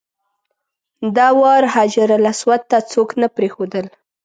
دا وار حجرالاسود ته څوک نه پرېښودل.